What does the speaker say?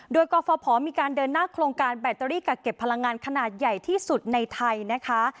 โดยกรฟภมีการเดินหน้าโครงการแบตเตอรี่กักเก็บพลังงานขนาดใหญ่ที่สุดในไทยนะคะ